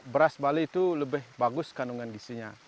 beras bali itu lebih bagus kandungan gisinya